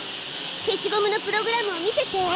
消しゴムのプログラムを見せて。